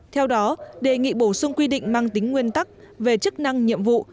theo đó đề nghị bổ sung quy định mang tính nguyên tắc về chức năng nhiệm vụ